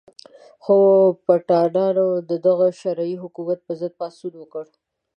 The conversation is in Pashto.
خو پټانانو د دغه شرعي حکومت په ضد پاڅون وکړ.